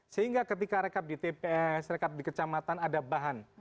sehingga ketika rekap di tps rekap di kecamatan ada bahan